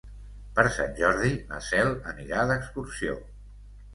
Per Sant Jordi na Cel anirà d'excursió.